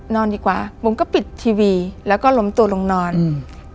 นอนดีกว่าบุ๋มก็ปิดทีวีแล้วก็ล้มตัวลงนอนอืม